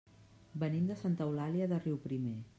Venim de Santa Eulàlia de Riuprimer.